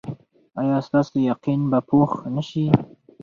ایا ستاسو یقین به پوخ نه شي؟